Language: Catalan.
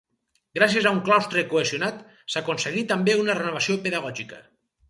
Gràcies a un claustre cohesionat, s'aconseguí també una renovació pedagògica.